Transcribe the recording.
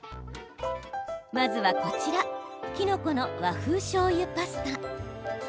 まずは、こちらきのこの和風しょうゆパスタ。